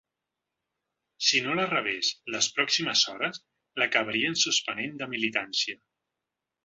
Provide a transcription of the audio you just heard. Si no la rebés les pròximes hores, l’acabarien suspenent de militància.